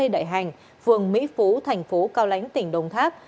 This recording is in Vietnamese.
đại hành phường mỹ phú thành phố cao lãnh tỉnh đồng tháp